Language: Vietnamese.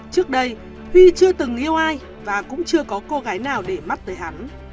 trước đây huy chưa từng yêu ai và cũng chưa có cô gái nào đánh giá